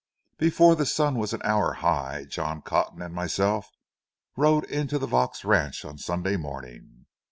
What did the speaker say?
Before the sun was an hour high, John Cotton and myself rode into the Vaux ranch on Sunday morning.